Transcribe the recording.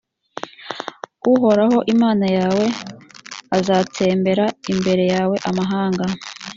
uhoraho imana yawe azatsembera imbere yawe amahanga